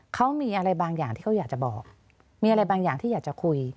เขามีอะไรบางอย่างที่เขาอยากจะบอกมีอะไรบางอย่างที่อยากจะคุย